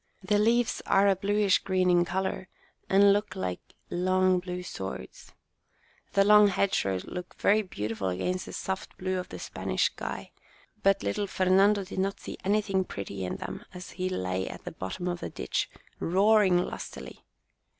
The leaves are a bluish green in colour, and look like long blue swords. The long hedge rows look very beautiful against the soft blue The Christening 5 of the Spanish sky, but little Fernando did not see anything pretty in them as he lay at the bottom of the ditch, roaring lustily.